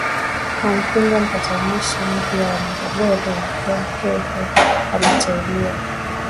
ampinga mpatanishi mpya wa mgogoro wa cote de voire aliyeteuliwa